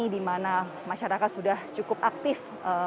dimana masyarakat sudah cukup aktif